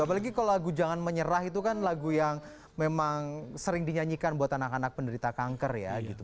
apalagi kalau lagu jangan menyerah itu kan lagu yang memang sering dinyanyikan buat anak anak penderita kanker ya gitu